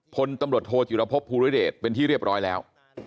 พลตำรวจโทจิรพบภูริเดชเป็นที่เรียบร้อยแล้ว